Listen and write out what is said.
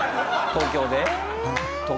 東京で。